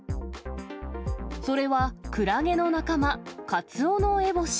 それはクラゲの仲間、カツオノエボシ。